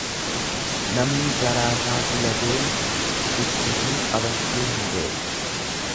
Namni garaasaa gula deemu iccitii qabachuu hin beeku.